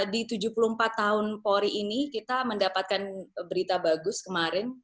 di tujuh puluh empat tahun polri ini kita mendapatkan berita bagus kemarin